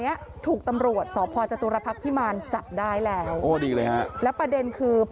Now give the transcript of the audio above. ยอมด้วยค่ะเออหือ